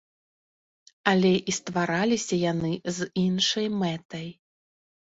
Але і ствараліся яны з іншай мэтай.